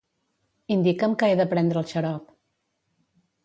Indica'm que he de prendre el xarop.